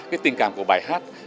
cái tình cảm của bài hát